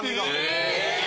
・え！？